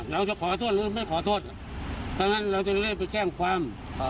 เราจะขอโทษหรือไม่ขอโทษเพราะฉะนั้นเราจะได้ไปแจ้งความ